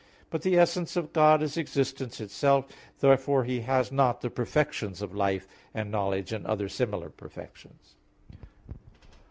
But the essence of God is existence itself. Therefore He has not the perfections of life, and knowledge, and other similar perfections.